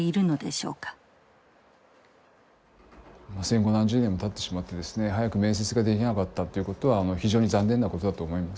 戦後何十年もたってしまってですね早く面接ができなかったっていうことは非常に残念なことだと思います。